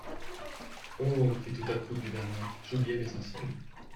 Oh ! fit tout à coup Duvernet, j'oubliais l'essentiel.